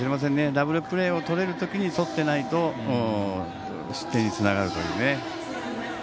ダブルプレーをとれる時にとっていないと失点につながるという。